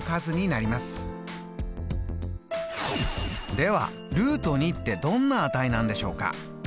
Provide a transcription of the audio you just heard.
ではってどんな値なんでしょうか。